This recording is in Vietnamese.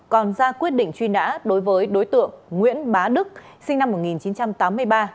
còn ra quyết định truy nã đối với đối tượng nguyễn bá đức sinh năm một nghìn chín trăm tám mươi ba